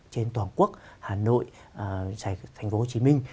trên toàn quốc hà nội thành phố hồ chí minh